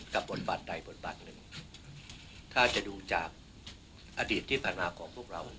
บทบาทใดบทบาทหนึ่งถ้าจะดูจากอดีตที่ผ่านมาของพวกเรา